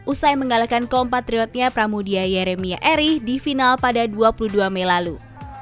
usai mengalahkan kompatriotnya pramudia yeremia eri di final pada dua puluh dua mei lalu